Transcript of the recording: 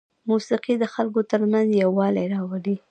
موسیقي د خلکو ترمنځ یووالی راولي.